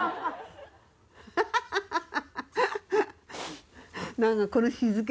ハハハハハ！